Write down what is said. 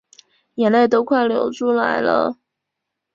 眼泪都快流出来了